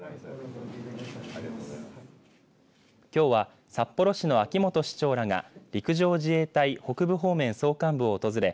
きょうは札幌市の秋元市長らが陸上自衛隊北部方面総監部を訪れ